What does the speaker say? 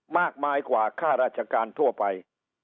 มากมายกว่าค่าราชการทั่วไป